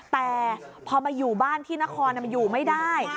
แต่พอมาอยู่บ้านที่นครมันอยู่ไม่ได้